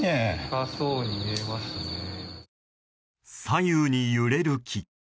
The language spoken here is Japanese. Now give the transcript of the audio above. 左右に揺れる木。